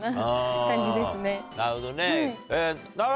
なるほどね。